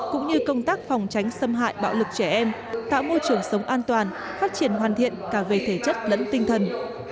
cũng như công tác phòng tránh xâm hại bạo lực trẻ em tạo môi trường sống an toàn phát triển hoàn thiện cả về thể chất lẫn tinh thần